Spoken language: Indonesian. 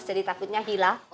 jadi takutnya hilang